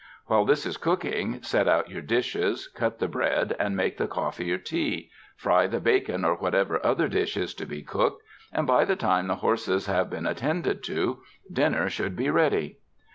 While this is cook ing, set out your dishes, cut the bread and make the coffee or tea, fry the bacon or whatever other dish is to be cooked ; and by the time the horses have been attended to, dinner should be ready.